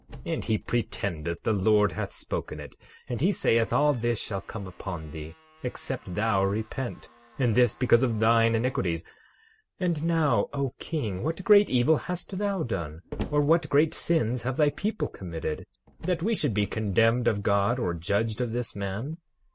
And he pretendeth the Lord hath spoken it. And he saith all this shall come upon thee except thou repent, and this because of thine iniquities. 12:13 And now, O king, what great evil hast thou done, or what great sins have thy people committed, that we should be condemned of God or judged of this man?